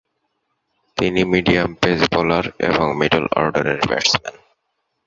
তিনি medium pace bowler এবং মিডল-অর্ডারের ব্যাটসম্যান।